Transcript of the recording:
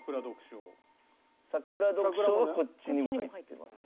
『さくら』はこっちにも入ってます。